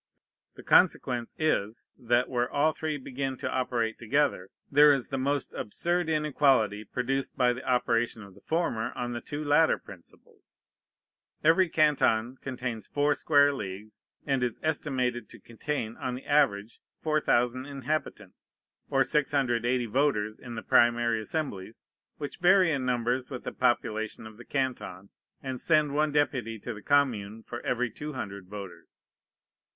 The consequence is, that, where all three begin to operate together, there is the most absurd inequality produced by the operation of the former on the two latter principles. Every canton contains four square leagues, and is estimated to contain, on the average, 4,000 inhabitants, or 680 voters in the primary assemblies, which vary in numbers with the population of the canton, and send one deputy to the commune for every 200 voters.